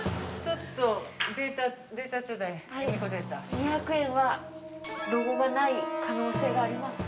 ２００円はロゴが無い可能性があります。